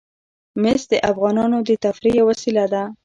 مس د افغانانو د تفریح یوه وسیله ده.